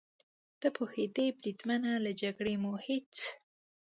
ته پوهېږې بریدمنه، له جګړې مو هېڅ.